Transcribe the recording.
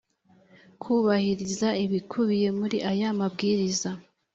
kubahiriza ibikubiye muri aya mabwiriza